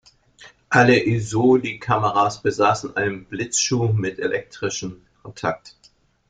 Alle "Isoly"-Kameras besaßen einen Blitzschuh mit elektrischen Kontakt.